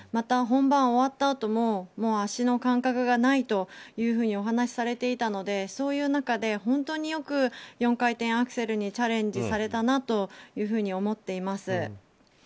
本番終わったあとも足の感覚がないというふうにお話しされていたのでそういう中で本当によく４回転アクセルにチャレンジされたなと思っています。